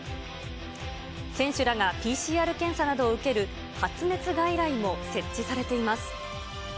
選手らがＰＣＲ検査などを受ける発熱外来も設置されています。